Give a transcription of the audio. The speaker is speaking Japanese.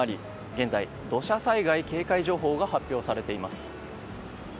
現在、土砂災害警戒情報が発表されています。